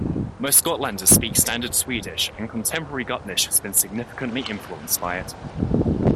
Most Gotlanders speak Standard Swedish and contemporary Gutnish has been significantly influenced by it.